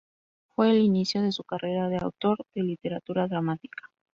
Fue el inicio de su carrera de autor de literatura dramática.